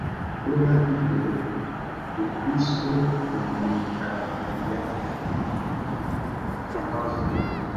dola hilo Ukristo ulikabiliana na dhuluma kama vile